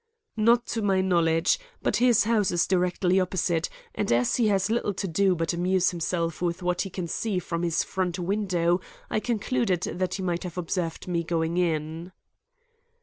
"Not to my knowledge. But his house is directly opposite, and as he has little to do but amuse himself with what he can see from his front window, I concluded that he might have observed me going in."